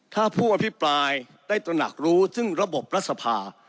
ถ้าผู้อภิปรายได้ตระหนักรู้ถึงระบบรัฐสภา